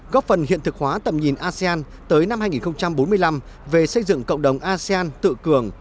góp phần hiện thực hóa tầm nhìn asean tới năm hai nghìn bốn mươi năm về xây dựng cộng đồng asean tự cường